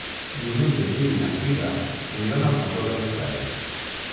Diumenge en Guiu i na Frida aniran al Fondó dels Frares.